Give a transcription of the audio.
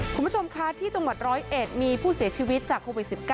คุณผู้ชมคะที่จังหวัดร้อยเอ็ดมีผู้เสียชีวิตจากโควิด๑๙